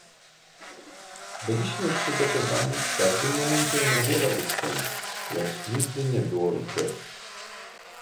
Byliśmy przygotowani, w każdym momencie na wiele ustępstw, lecz nigdy nie było ich dość